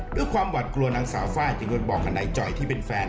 ด้วยความหวัดกลัวนางสาวฝ่ายที่โดนบอกกับนายจอยที่เป็นแฟน